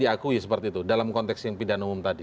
diakui seperti itu dalam konteks yang pidana umum tadi